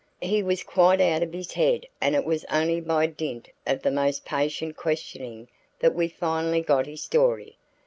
He was quite out of his head and it was only by dint of the most patient questioning that we finally got his story.